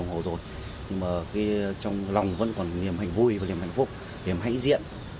nhưng mà trong lòng vẫn còn niềm hạnh vui và niềm hạnh phúc niềm hãnh diện